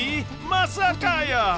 まさかやー！